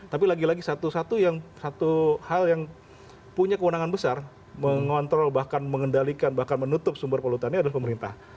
tapi lagi lagi satu hal yang punya kewenangan besar mengontrol bahkan mengendalikan bahkan menutup sumber polutannya adalah pemerintah